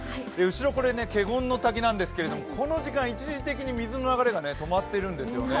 後ろ、華厳の滝なんですけれども、この時間、一時的に水の流れが止まっているんですね。